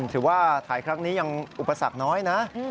ถือว่าถ่ายครั้งนี้ยังอุปสรรคน้อยนะ